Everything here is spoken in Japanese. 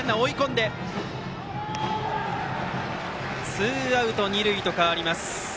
ツーアウト二塁と変わります。